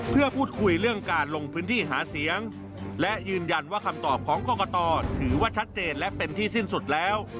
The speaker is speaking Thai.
เพื่อพูดคุยเรื่องการลงพื้นที่หาเสียงและยืนยันว่าคำตอบของกรกตถือว่าชัดเจนและเป็นที่สิ้นสุดแล้ว